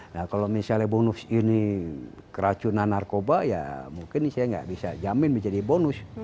nah kalau misalnya bonus ini keracunan narkoba ya mungkin saya nggak bisa jamin menjadi bonus